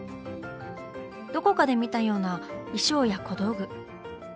どこかで見たような衣装や小道具。